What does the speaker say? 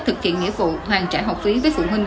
thực hiện nghĩa vụ hoàn trả học phí với phụ huynh